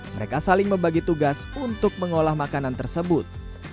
mereka saling membagi tugas untuk mengolah makanan tersebut